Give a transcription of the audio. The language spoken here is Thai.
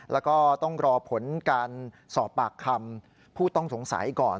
แล้วก็ต้องรอผลการสอบปากคำผู้ต้องสงสัยก่อน